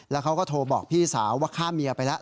แล้วเขาก็โทรบอกพี่สาวว่าฆ่าเมียไปแล้ว